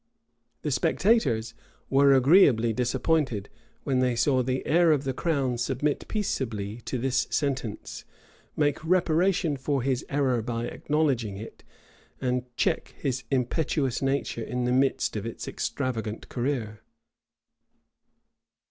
[*] The spectators were agreeably disappointed, when they saw the heir of the crown submit peaceably to this sentence, make reparation for his error by acknowledging it, and check his impetuous nature in the midst of its extravagant career.